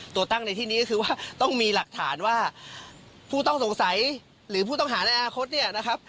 ตัวตั้งในที่นี้ก็คือว่าต้องมีหลักฐานว่าผู้ต้องสงสัยหรือผู้ต้องหาในอนาคตเนี่ยนะครับ